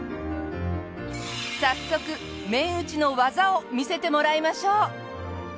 早速麺打ちの技を見せてもらいましょう。